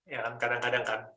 ya kadang kadang kan